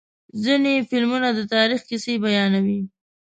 ځینې فلمونه د تاریخ کیسې بیانوي.